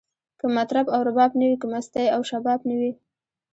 که مطرب او رباب نه وی، که مستی او شباب نه وی